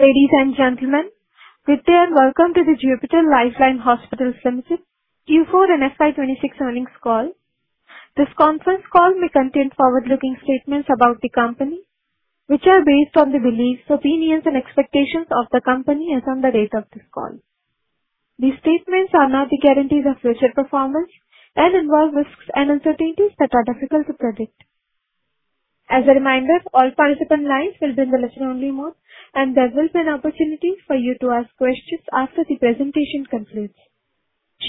Ladies and gentlemen, good day and welcome to the Jupiter Life Line Hospitals Limited Q4 and FY 2026 earnings call. This conference call may contain forward-looking statements about the company, which are based on the beliefs, opinions, and expectations of the company as on the date of this call. These statements are not the guarantees of future performance and involve risks and uncertainties that are difficult to predict. As a reminder, all participant lines will be in the listen-only mode, and there will be an opportunity for you to ask questions after the presentation concludes.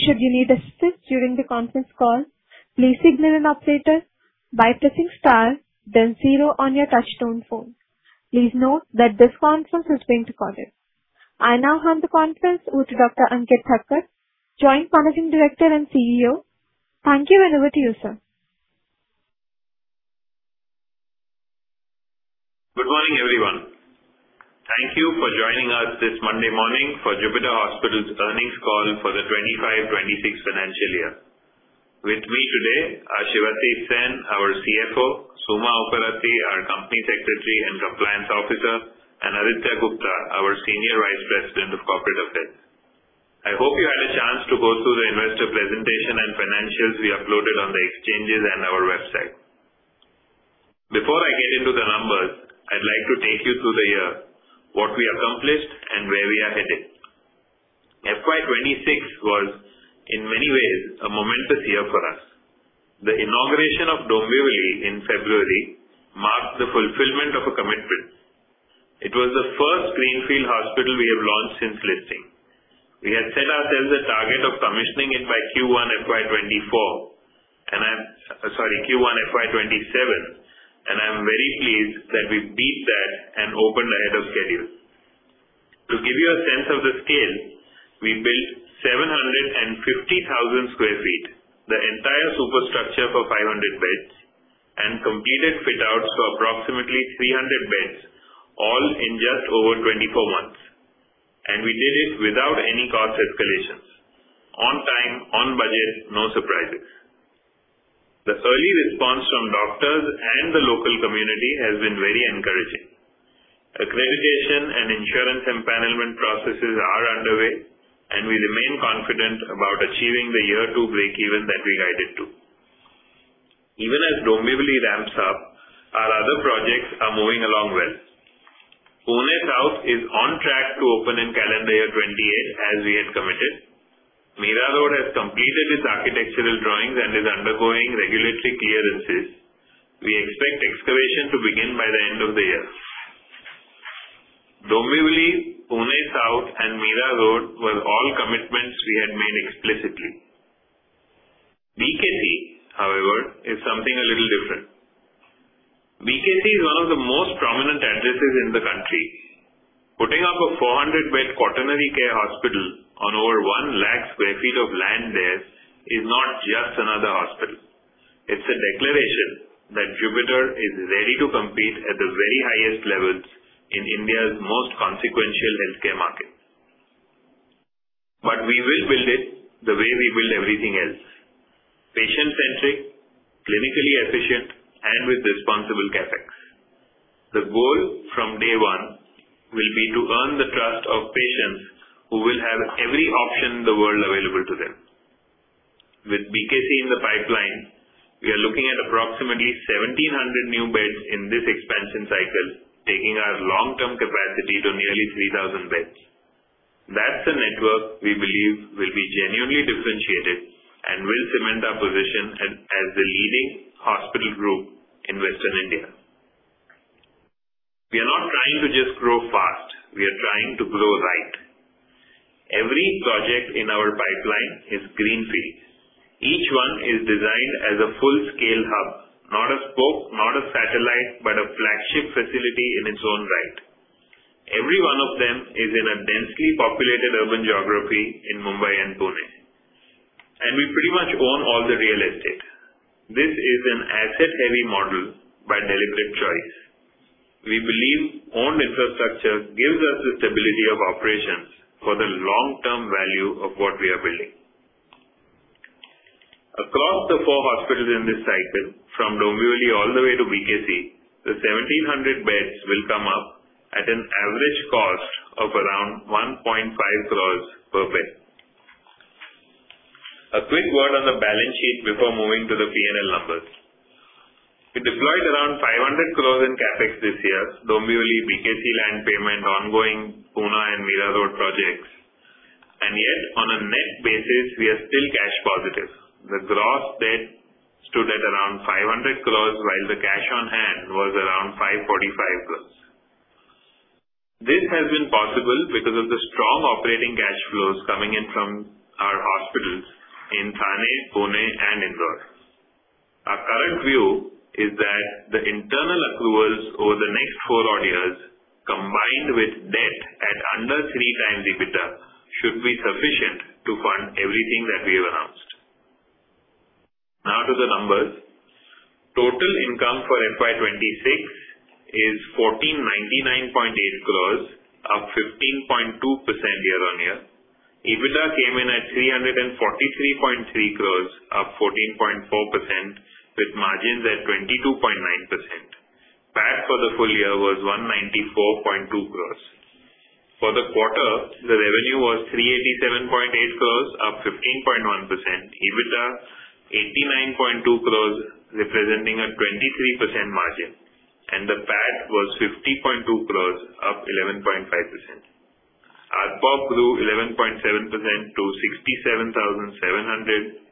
Should you need assistance during the conference call, please signal an operator by pressing star then zero on your touch-tone phone. Please note that this conference is being recorded. I now hand the conference over to Dr. Ankit Thakker, Joint Managing Director and CEO. Thank you, and over to you, sir. Good morning, everyone. Thank you for joining us this Monday morning for Jupiter Hospitals' earnings call for the 2025-2026 financial year. With me today are Sivasis Sen, our CFO, Suma Upparatti, our Company Secretary and Compliance Officer, and Aditya Gupta, our Senior Vice President of Corporate Affairs. I hope you had a chance to go through the investor presentation and financials we uploaded on the exchanges and our website. Before I get into the numbers, I'd like to take you through the year, what we accomplished and where we are headed. FY 2026 was in many ways a momentous year for us. The inauguration of Dombivli in February marked the fulfillment of a commitment. It was the first greenfield hospital we have launched since listing. We had set ourselves a target of commissioning it by Q1 FY 2024, sorry, Q1 FY 2027, and I'm very pleased that we beat that and opened ahead of schedule. To give you a sense of the scale, we built 750,000 sq ft, the entire superstructure for 500 beds and completed fit-outs for approximately 300 beds, all in just over 24 months. We did it without any cost escalations. On time, on budget, no surprises. The early response from doctors and the local community has been very encouraging. Accreditation and insurance empanelment processes are underway, and we remain confident about achieving the year two breakeven that we guided to. Even as Dombivli ramps up, our other projects are moving along well. Pune South is on track to open in calendar year 2028 as we had committed. Mira Road has completed its architectural drawings and is undergoing regulatory clearances. We expect excavation to begin by the end of the year. Dombivli, Pune South, and Mira Road were all commitments we had made explicitly. BKC, however, is something a little different. BKC is one of the most prominent addresses in the country. Putting up a 400-bed quaternary care hospital on over 1 lakh sq ft of land there is not just another hospital. It's a declaration that Jupiter is ready to compete at the very highest levels in India's most consequential healthcare market. We will build it the way we build everything else: patient-centric, clinically efficient, and with responsible CapEx. The goal from day one will be to earn the trust of patients who will have every option in the world available to them. With BKC in the pipeline, we are looking at approximately 1,700 new beds in this expansion cycle, taking our long-term capacity to nearly 3,000 beds. That's a network we believe will be genuinely differentiated and will cement our position as the leading hospital group in Western India. We are not trying to just grow fast; we are trying to grow right. Every project in our pipeline is greenfield. Each one is designed as a full-scale hub, not a spoke, not a satellite, but a flagship facility in its own right. Every one of them is in a densely populated urban geography in Mumbai and Pune, and we pretty much own all the real estate. This is an asset-heavy model by deliberate choice. We believe owned infrastructure gives us the stability of operations for the long-term value of what we are building. Across the four hospitals in this cycle, from Dombivli all the way to BKC, the 1,700 beds will come up at an average cost of around 1.5 crore per bed. A quick word on the balance sheet before moving to the P&L numbers. We deployed around 500 crore in CapEx this year, Dombivli, BKC land payment, ongoing Pune and Mira Road projects. Yet, on a net basis, we are still cash positive. The gross debt stood at around 500 crore while the cash on hand was around 545 crore. This has been possible because of the strong operating cash flows coming in from our hospitals in Thane, Pune, and Indore. Our current view is that the internal accruals over the next four-odd years, combined with debt at under 3x EBITDA, should be sufficient to fund everything that we have announced. Now to the numbers. Total income for FY 2026 is 1,499.8 crore, up 15.2% year-on-year. EBITDA came in at 343.3 crore, up 14.4%, with margins at 22.9%. PAT for the full year was 194.2 crore. For the quarter, the revenue was 387.8 crore, up 15.1%. EBITDA 89.2 crore, representing a 23% margin, and the PAT was 50.2 crore, up 11.5%. ARPOB grew 11.7% to 67,700.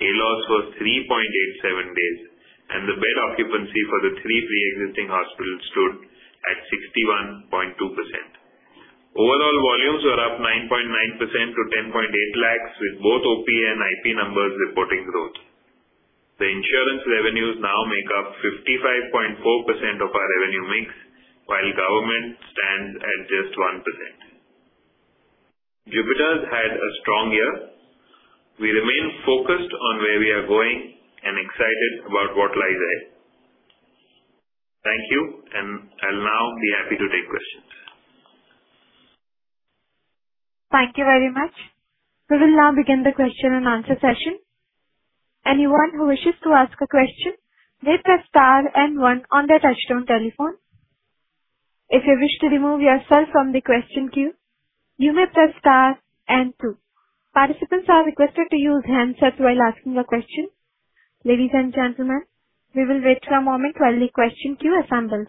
ALOS was 3.87 days, and the bed occupancy for the three pre-existing hospitals stood at 61.2%. Overall volumes were up 9.9% to 10.8 lakh, with both OP and IP numbers reporting growth. The insurance revenues now make up 55.4% of our revenue mix, while government stands at just 1%. Jupiter has had a strong year. We remain focused on where we are going and excited about what lies ahead. Thank you, and I will now be happy to take questions. Thank you very much. We will now begin the question-and-answer session. Anyone who wishes to ask a question may press star and one on their touch-tone telephone. If you wish to remove yourself from the question queue, you may press star and two. Participants are requested to use handsets while asking a question. Ladies and gentlemen, we will wait for a moment while the question queue assembles.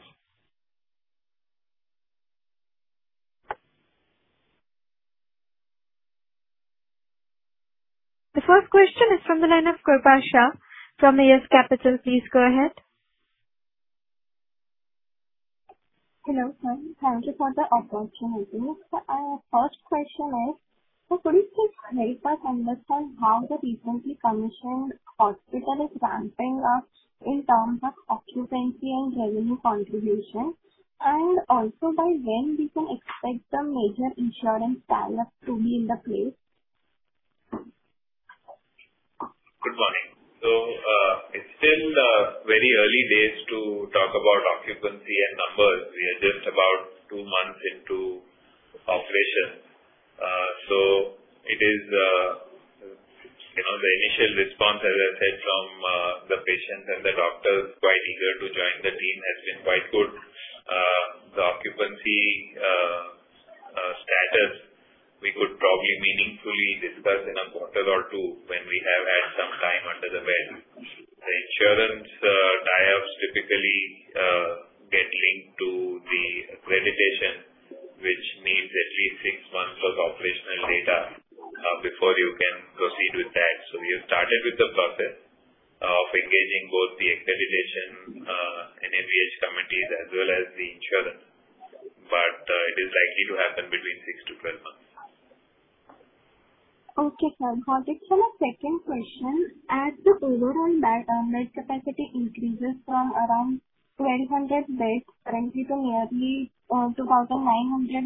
The first question is from the line of [Krupa Shah] from [AS Capital]. Please go ahead. Hello, sir. Thank you for the opportunity. My first question is, could you please help us understand how the recently commissioned hospital is ramping up in terms of occupancy and revenue contribution? Also, by when we can expect the major insurance tie-ups to be in the place? Good morning. It's still very early days to talk about occupancy and numbers. We are just about two months into operation. It is, you know, the initial response, as I said, from the patients and the doctors quite eager to join the team has been quite good. The occupancy status we could probably meaningfully discuss in a quarter or two when we have had some time under the belt. The insurance tie-ups typically get linked to the accreditation, which needs at least six months of operational data before you can proceed with that. We have started with the process of engaging both the accreditation and NABH committees as well as the insurance, but it is likely to happen between 6-12 months. Okay, sir. Moving to my second question. As the overall bed capacity increases from around 1,200 beds currently to nearly 2,900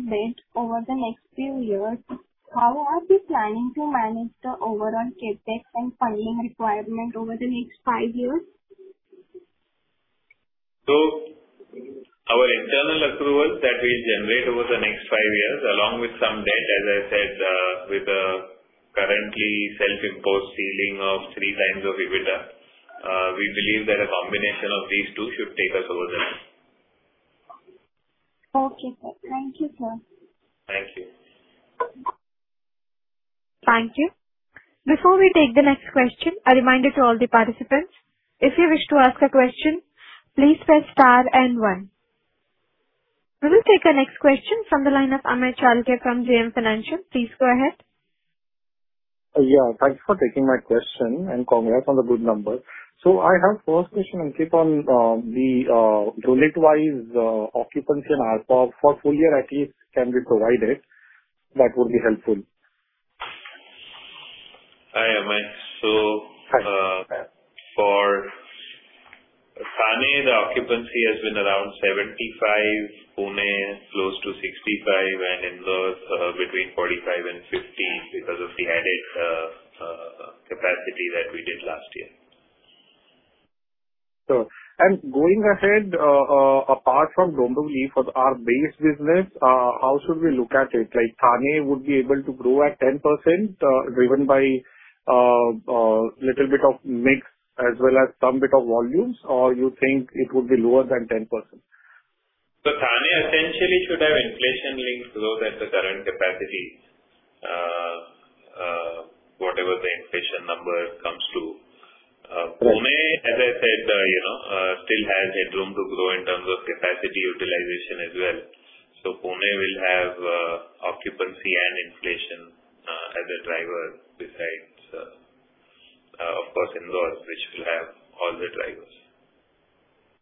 beds over the next few years, how are you planning to manage the overall CapEx and funding requirement over the next five years? Our internal accruals that we'll generate over the next five years, along with some debt, as I said, with a currently self-imposed ceiling of 3x of EBITDA, we believe that a combination of these two should take us over there. Okay, sir. Thank you, sir. Thank you. Thank you. Before we take the next question, a reminder to all the participants, if you wish to ask a question, please press star and one. We will take our next question from the line of Amey Chalke from JM Financial. Please go ahead. Yeah, thank you for taking my question and congrats on the good numbers. I have first question, Ankit, on the unit-wise occupancy and ARPOB for full year at least can be provided, that would be helpful. Hi, Amey. Hi. For Thane, the occupancy has been around 75%, Pune close to 65%, and Indore, between 45% and 50% because of the added capacity that we did last year. Sure. Going ahead, apart from Dombivli, for our base business, how should we look at it? Like, Thane would be able to grow at 10%, driven by little bit of mix as well as some bit of volumes, or you think it would be lower than 10%? Thane essentially should have inflation linked growth at the current capacity, whatever the inflation number comes to. Sure. Pune, as I said, still has a room to grow in terms of capacity utilization as well. Pune will have occupancy and inflation as a driver besides, of course, Indore, which will have all the drivers.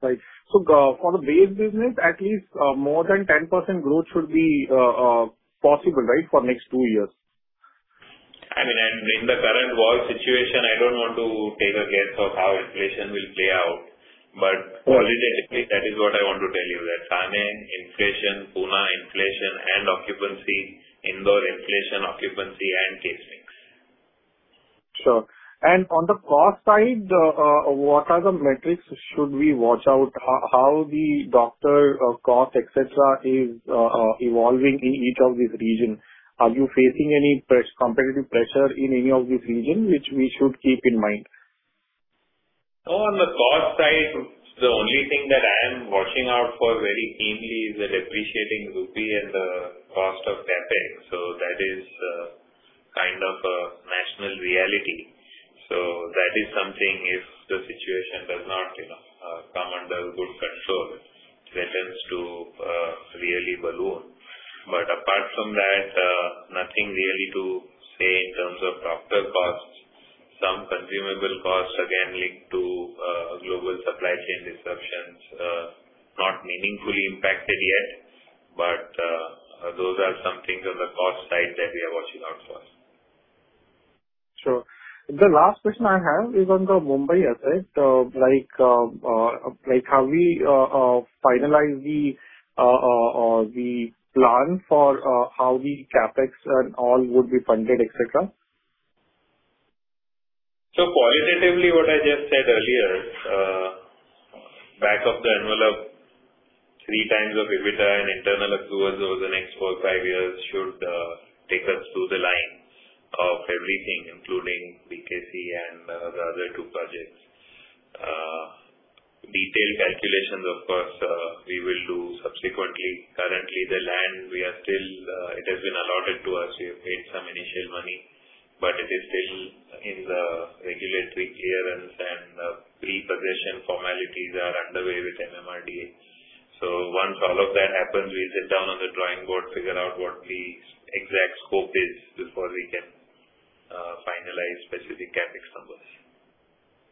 Right. For the base business, at least, more than 10% growth should be possible, right? For next two years. I mean, in the current world situation, I don't want to take a guess of how inflation will play out. But qualitatively. Sure. That is what I want to tell you, that Thane inflation, Pune inflation and occupancy, Indore inflation, occupancy and case mix. Sure. On the cost side, what are the metrics should we watch out? How the doctor or cost, et cetera, is evolving in each of these region? Are you facing any competitive pressure in any of these region which we should keep in mind? On the cost side, the only thing that I am watching out for very keenly is the depreciating rupee and the cost of CapEx. That is kind of a national reality. That is something, if the situation does not, you know, come under good control, threatens to really balloon. Apart from that, nothing really to say in terms of doctor costs. Some consumable costs, again, linked to global supply chain disruptions. Not meaningfully impacted yet, but those are some things on the cost side that we are watching out for. Sure. The last question I have is on the Mumbai asset. Like, have we finalized the plan for how the CapEx and all would be funded, et cetera? Qualitatively, what I just said earlier, back of the envelope, 3x of EBITDA and internal accruals over the next four, five years should take us through the line of everything, including BKC and the other two projects. Detailed calculations, of course, we will do subsequently. Currently, the land we are still, it has been allotted to us. We have paid some initial money, but it is still in the regulatory clearance, and pre-possession formalities are underway with MMRDA. Once all of that happens, we sit down on the drawing board, figure out what the exact scope is before we can finalize specific CapEx numbers.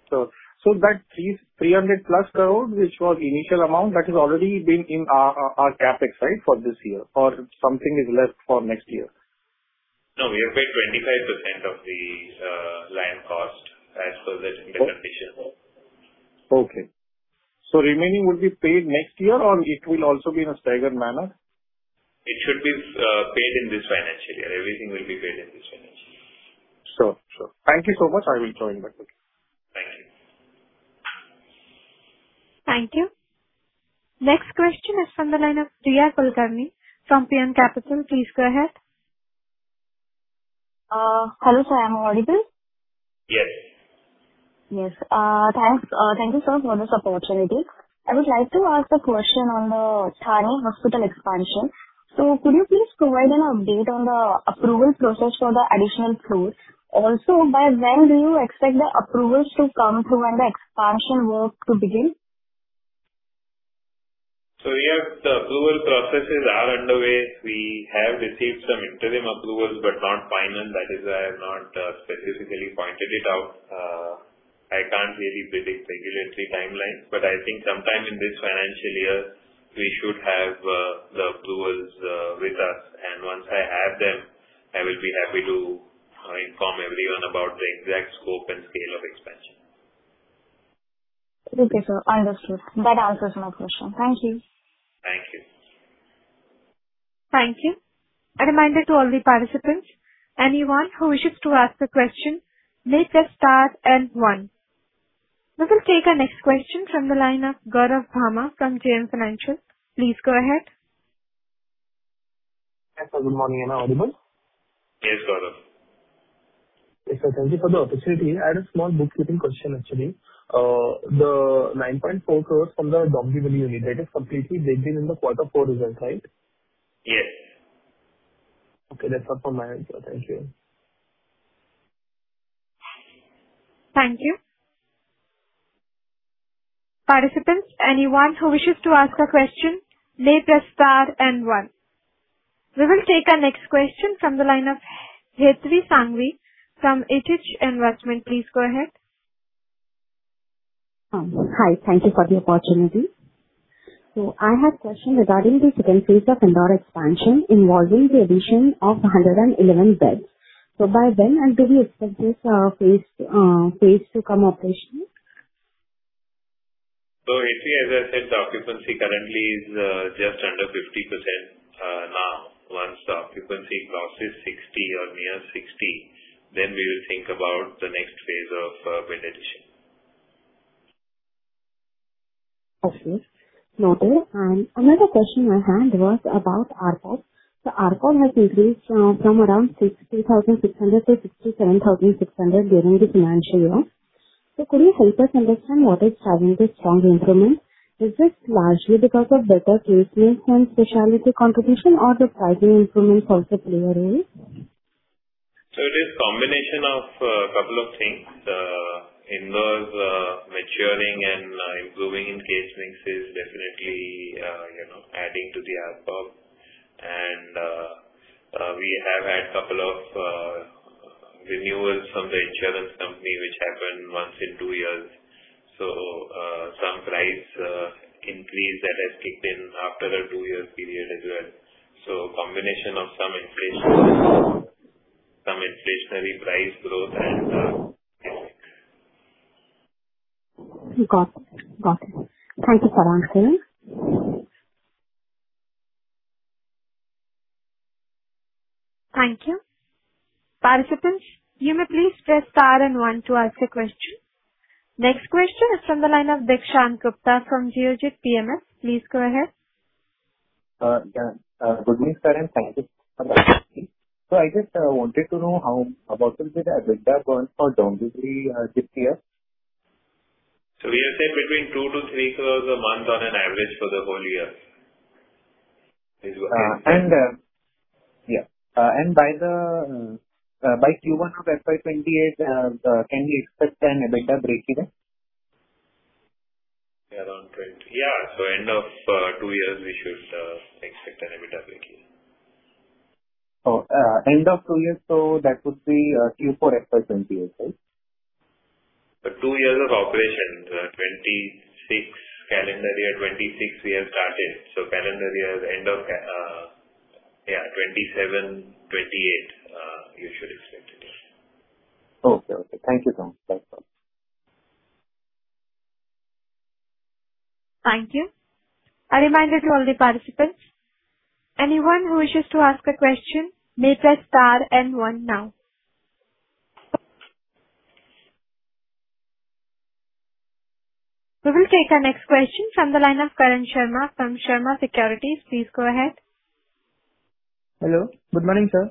Sure. So, that 300+ crore, which was initial amount that is already been in our CapEx, right, for this year, or something is left for next year? No, we have paid 25% of the land cost as per the interpretation. Okay. So, remaining will be paid next year or it will also be in a staggered manner? It should be paid in this financial year. Everything will be paid in this financial year. Sure. Sure. Thank you so much. I will join back the queue. Thank you. Thank you. Next question is from the line of [Priya Kulkarni] from [PM Capital]. Please go ahead. Hello sir, am I audible? Yes. Yes. Thanks, thank you, sir, for this opportunity. I would like to ask a question on the Thane hospital expansion. Could you please provide an update on the approval process for the additional floors? Also, by when do you expect the approvals to come through and the expansion work to begin? Yes, the approval processes are underway. We have received some interim approvals, but not final. That is why I have not specifically pointed it out. I can't really predict regulatory timelines, but I think sometime in this financial year we should have the approvals with us. Once I have them, I will be happy to inform everyone about the exact scope and scale of expansion. Okay, sir. Understood. That answers my question. Thank you. Thank you. Thank you. A reminder to all the participants, anyone who wishes to ask a question, may press star and one. We will take our next question from the line of Gourav Bhama from JM Financial. Please go ahead. Hi, sir. Good morning. Am I audible? Yes, Gourav. Yes, sir. Thank you for the opportunity. I had a small bookkeeping question, actually. The 9.4 crore from the Dombivli unit, that is completely baked in in the quarter four result, right? Yes. Okay, that's all for my end, sir. Thank you. Thank you. Participants, anyone who wishes to ask a question, may press star and one. We will take our next question from the line of [Hetri Sangvi] from [HS Investment]. Please go ahead. Hi. Thank you for the opportunity. I had question regarding the second phase of Indore expansion involving the addition of 111 beds. By when until you expect this phase to come operational? [Hetri], as I said, the occupancy currently is just under 50%, now. Once the occupancy crosses 60% or near 60%, then we will think about the next phase of bed addition. Okay. Noted. Another question I had was about ARPOB. The ARPOB has increased from around 60,600 to 67,600 during the financial year. Could you help us understand what is driving the strong improvement? Is it largely because of better case mix and specialty contribution or the pricing improvements also play a role? It is combination of two things. Indore is maturing and improving in case mix is definitely, you know, adding to the ARPOB. We have had a couple of renewals from the insurance company, which happen once in two years, so some price increase that has kicked in after a two-year period as well. So, combination of some inflation. Got it. Got it. Thank you, sir, once again. Thank you. Participants, you may please press star and one to ask a question. Next question is from the line of Dikshant Gupta from Geojit PMS. Please go ahead. Yeah. Good evening, sir, and thank you for the opportunity. I just wanted to know how, about how much is the EBITDA burn for Dombivli this year? We are saying between 2 crore-3 crore a month on an average for the whole year is what. Yeah. By Q1 of FY 2028, can we expect an EBITDA breakeven? Around 20, yeah, so end of two years, we should expect an EBITDA breakeven. Oh, end of two years, so that would be, Q4 FY 2028, right? Two years of operation. 2026, calendar year 2026 we have started, so calendar year, end of yeah, 2027, 2028, you should expect it, yes. Okay. Okay. Thank you, sir. Thank you. A reminder to all the participants, anyone who wishes to ask a question may press star and one now. We will take our next question from the line of Karan Sharma from Sharma Securities. Please go ahead. Hello. Good morning, sir.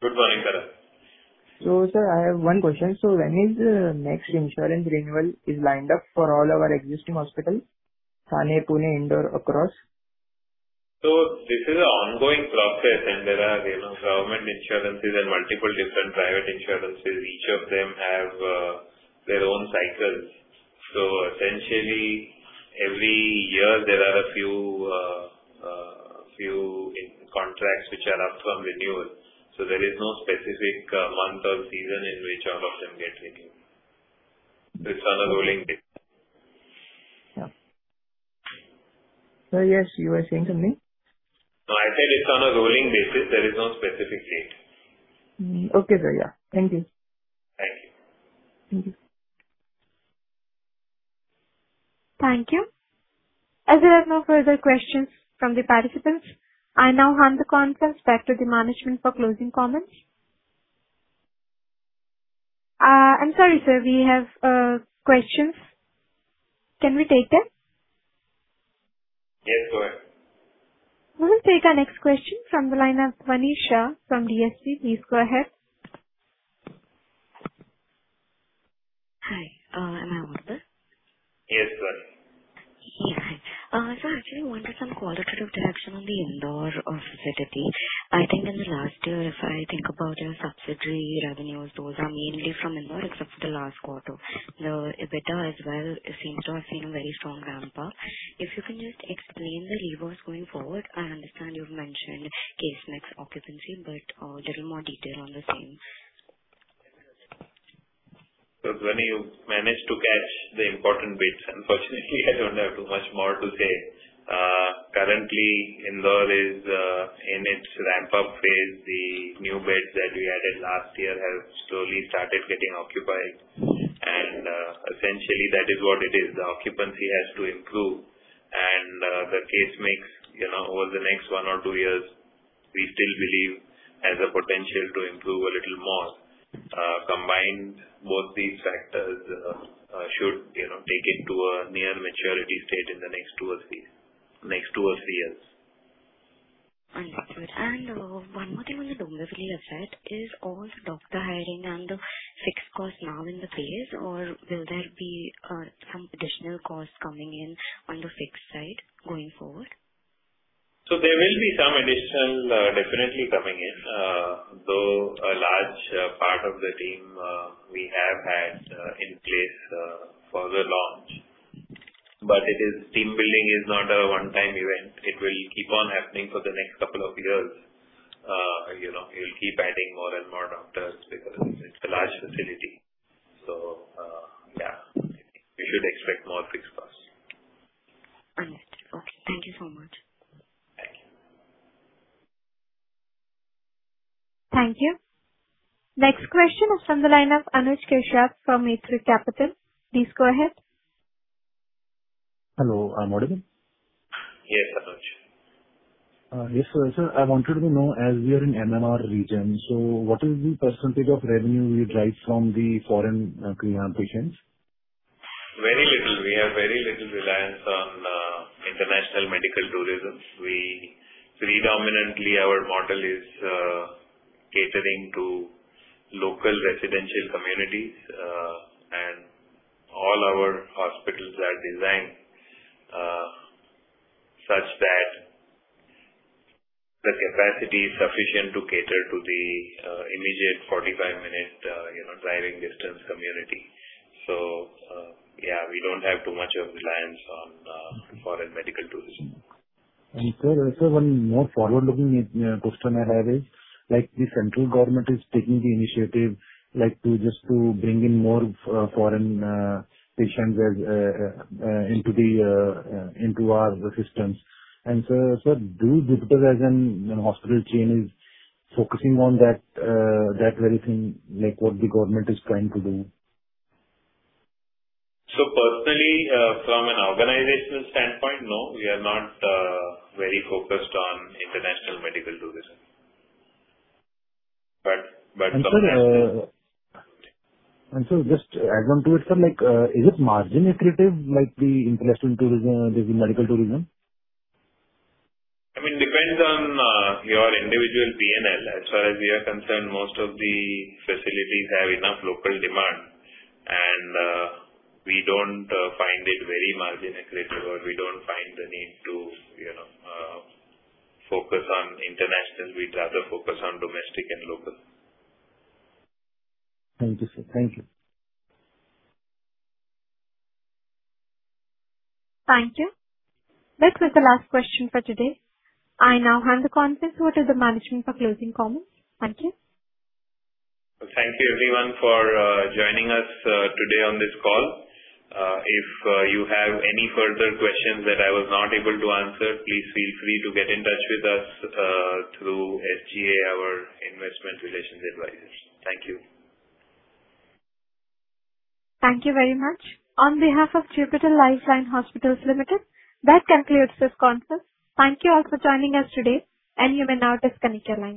Good morning, Karan. Sir, I have one question. When is the next insurance renewal is lined up for all our existing hospitals, Thane, Pune, Indore, across? This is an ongoing process and there are, you know, government insurances and multiple different private insurances. Each of them have their own cycles. Essentially, every year there are a few in contracts which are up for renewal, so there is no specific month or season in which all of them get renewed. It's on a rolling basis. Yeah. Sir, yes, you were saying to me? No, I said it's on a rolling basis. There is no specific date. Okay, sir. Yeah. Thank you. Thank you. Thank you. Thank you. As there are no further questions from the participants, I now hand the conference back to the management for closing comments. I'm sorry, sir, we have questions. Can we take them? Yes, go ahead. We'll take our next question from the line of [Vani Shah] from DSC. Please go ahead. Hi. Am I audible? Yes, go ahead. Hi. I actually wanted some qualitative direction on the Indore facility. I think in the last year, if I think about your subsidiary revenues, those are mainly from Indore except for the last quarter. The EBITDA as well, it seems to have seen a very strong ramp up. If you can just explain the levers going forward. I understand you've mentioned case mix occupancy, but a little more detail on the same. [Vani], you managed to catch the important bits. Unfortunately, I don't have too much more to say. Currently, Indore is in its ramp-up phase. The new beds that we added last year have slowly started getting occupied. Essentially, that is what it is. The occupancy has to improve and the case mix, you know, over the next one or two years, we still believe has the potential to improve a little more. Combined both these factors, should, you know, take it to a near maturity state in the next two or three years. Understood. One more thing on the Dombivli asset, is all doctor hiring and the fixed cost now in the phase, or will there be some additional costs coming in on the fixed side going forward? There will be some additional, definitely coming in. Though a large part of the team, we have had in place for the launch. But it is, team building is not a one-time event. It will keep on happening for the next couple of years. You know, we'll keep adding more and more doctors because it's a large facility. Yeah, you should expect more fixed costs. Understood. Okay. Thank you so much. Thank you. Thank you. Next question is from the line of [Anuj Keshav] from [Mitri Capital]. Please go ahead. Hello, I'm audible? Yes, [Anuj]. Yes, sir, I wanted to know as we are in MMR region, so, what is the percentage of revenue we derive from the foreign premium patients? Very little. We have very little reliance on international medical tourism. We, predominantly, our model is catering to local residential communities, and all our hospitals are designed such that the capacity is sufficient to cater to the immediate 45-minute, you know, driving distance community. We don't have too much of reliance on foreign medical tourism. Sir, one more forward-looking question I have is, like the central government is taking the initiative like to just to bring in more foreign patients into our systems. Sir, do Jupiter as an, you know, hospital chain is focusing on that very thing, like what the government is trying to do? Personally, from an organizational standpoint, no, we are not very focused on international medical tourism. Sir, just add on to it, sir, like, is it margin accretive, like the international tourism, the medical tourism? I mean, depends on your individual P&L. As far as we are concerned, most of the facilities have enough local demand and we don't find it very margin accretive or we don't find the need to, you know, focus on international. We'd rather focus on domestic and local. Thank you, sir. Thank you. Thank you. This was the last question for today. I now hand the conference over to the management for closing comments. Thank you. Thank you everyone for joining us today on this call. If you have any further questions that I was not able to answer, please feel free to get in touch with us through SGA, our investment relations advisors. Thank you. Thank you very much. On behalf of Jupiter Life Line Hospitals Limited, that concludes this conference. Thank you all for joining us today and you may now disconnect your lines.